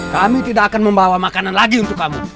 kami tidak akan membawa makanan lagi untuk kamu